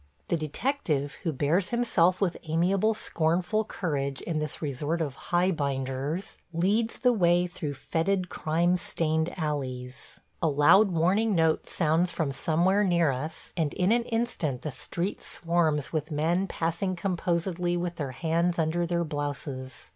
The detective, who bears himself with amiable, scornful courage in this resort of "Highbinders," leads the way through fetid, crime stained alleys. A loud warning note sounds from somewhere near us, and in an instant the street swarms with men passing composedly with their hands under their blouses.